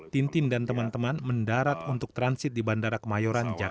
tintin dan teman teman mendarat untuk transit di bandara kemayoran jakarta